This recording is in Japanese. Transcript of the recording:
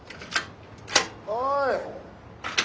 おい。